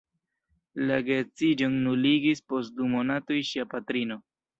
La geedziĝon nuligis post du monatoj ŝia patrino.